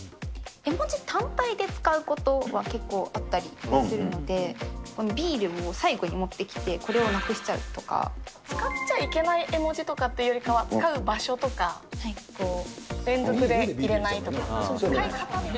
絵文字単体で使うことは結構あったりするので、このビールを最後に持ってきて、使っちゃいけない絵文字とかっていうよりは、使う場所とか、連続で入れないとか。